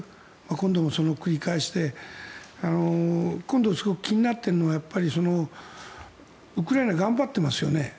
今度もその繰り返しで今度、気になっているのがウクライナ頑張ってますよね。